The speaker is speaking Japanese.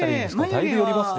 だいぶ寄りますね。